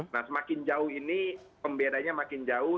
nah semakin jauh ini pembedanya makin jauh